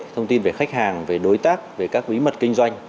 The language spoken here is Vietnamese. thông tin về khách hàng đối tác các bí mật kinh doanh